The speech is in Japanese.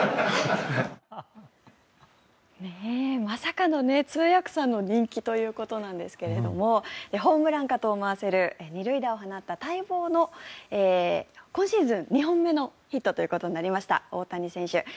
まさかの通訳さんの人気ということなんですがホームランかと思わせる２塁打を放った待望の今シーズン２本目のヒットとなりました大谷選手。